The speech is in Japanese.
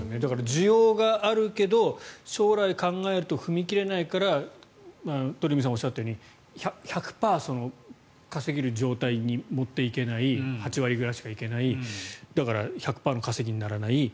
需要があるけど将来を考えると踏み切れないから鳥海さんがおっしゃったように１００％稼げる状態に持っていけない８割ぐらいしかいけないだから１００％の稼ぎにならない。